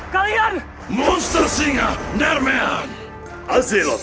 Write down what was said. kalian monster singa nermea